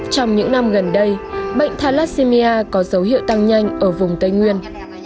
trong những năm gần đây bệnh thalassimia có dấu hiệu tăng nhanh ở vùng tây nguyên